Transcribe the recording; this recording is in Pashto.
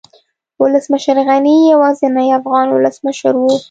ولسمشر غني يوازينی افغان ولسمشر و